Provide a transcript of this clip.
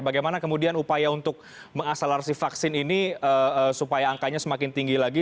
bagaimana kemudian upaya untuk mengakselerasi vaksin ini supaya angkanya semakin tinggi lagi